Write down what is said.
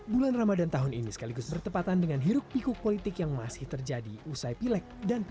bulan ramadan tahun ini sekaligus bertepatan dengan hiruk pikuk politik yang masih terjadi usai pilek dan pilpres